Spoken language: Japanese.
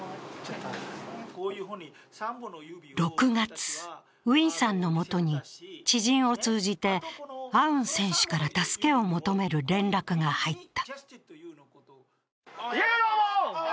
６月、ウィンさんのもとに知人を通じてアウン選手から助けを求める連絡が入った。